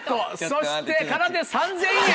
そしてかなで３０００円。